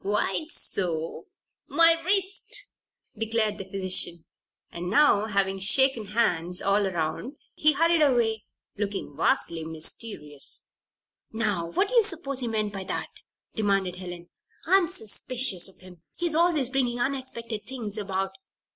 "Quite so my wrist!" declared the physician, and now, having shaken hands all around, he hurried away, looking vastly mysterious. "Now, what do you suppose he meant by that?" demanded Helen. "I'm suspicious of him. He's always bringing unexpected things about.